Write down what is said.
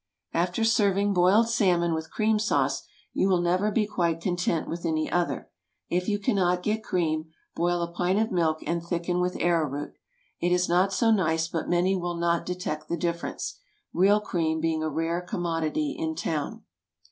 After serving boiled salmon with cream sauce, you will never be quite content with any other. If you cannot get cream, boil a pint of milk and thicken with arrow root. It is not so nice, but many will not detect the difference—real cream being a rare commodity in town.